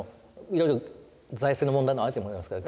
いろいろ財政の問題もあると思いますから。